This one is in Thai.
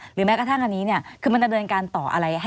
หรือแม้กระทั่งอันนี้คือมันดำเนินการต่ออะไร